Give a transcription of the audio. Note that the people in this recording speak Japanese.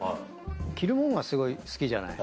着るもんがすごい好きじゃない。